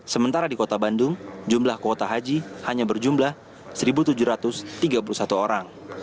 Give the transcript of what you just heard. sementara di kota bandung jumlah kuota haji hanya berjumlah satu tujuh ratus tiga puluh satu orang